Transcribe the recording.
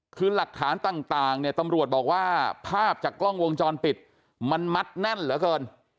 คือหลักฐานต่างเนี่ยตำรวจบอกว่าภาพจากกล้องวงจรปิดมันมัดแน่นเหลือเกิน